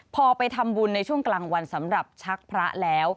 พอไปทำบุญในช่วงกลางวันสำหรับชักพระแล้ว